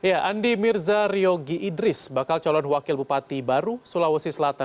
ya andi mirza ryogi idris bakal calon wakil bupati baru sulawesi selatan